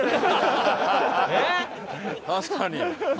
確かに。